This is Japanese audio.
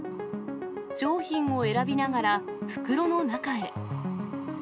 商品を選びながら袋の中へ。